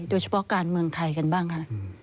โดยเฉพาะการเมืองไทยกันบ้างคะ